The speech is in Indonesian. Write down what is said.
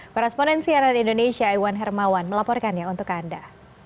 korrespondensi aran indonesia iwan hermawan melaporkannya untuk anda